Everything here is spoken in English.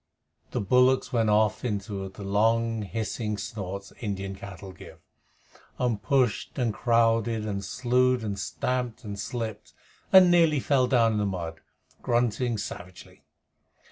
The bullocks went off into the long hissing snorts that Indian cattle give, and pushed and crowded and slued and stamped and slipped and nearly fell down in the mud, grunting savagely.